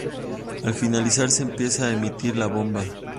Al finalizar se empieza a emitir La Bomba.